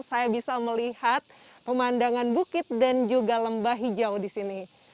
saya bisa melihat pemandangan bukit dan juga lembah hijau di sini